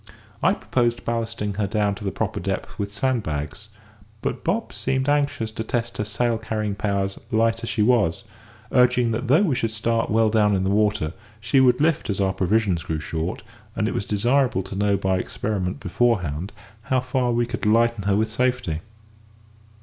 I proposed ballasting her down to her proper depth with sand bags, but Bob seemed anxious to test her sail carrying powers light as she was, urging that though we should start well down in the water, she would lift as our provisions grew short; and it was desirable to know by experiment beforehand how far we could lighten her with safety.